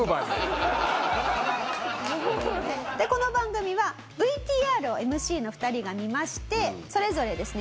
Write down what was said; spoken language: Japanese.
でこの番組はＶＴＲをＭＣの２人が見ましてそれぞれですね